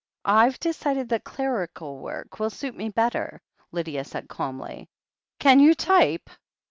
"I've decided that clerical work will suit me better," Lydia said calmly. "Can you type